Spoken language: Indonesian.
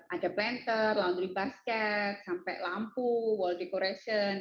ada planter laundry basket sampai lampu wall decoration